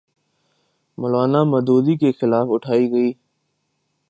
مو لانا مودودی کے خلاف اٹھائی گی۔